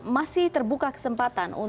masih terbuka kesempatan